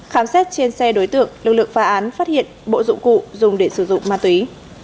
khám xét trên xe đối tượng lực lượng phá án phát hiện bộ dụng cụ dùng để sử dụng ma túy